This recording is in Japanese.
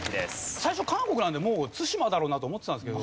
最初韓国なんでもう対馬だろうなと思ってたんですけど。